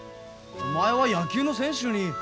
お前は野球の選手に。